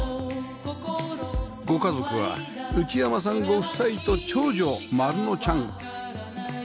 ご家族は内山さんご夫妻と長女まるのちゃん